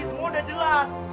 semua udah jelas